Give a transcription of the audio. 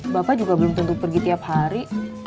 bapak juga belum tentu pergi tiap hari